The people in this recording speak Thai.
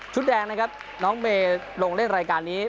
แดงนะครับน้องเมย์ลงเล่นรายการนี้